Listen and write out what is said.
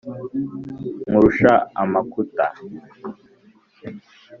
Nkurusha amakuta,